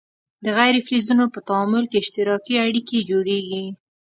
د غیر فلزونو په تعامل کې اشتراکي اړیکې جوړیږي.